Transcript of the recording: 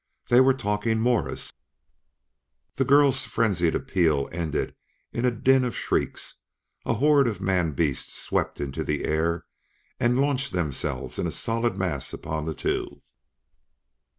They were talking Morse! The girl's frenzied appeal ended in a din of shrieks; a horde of man beasts swept into the air and launched themselves in a solid mass upon the two.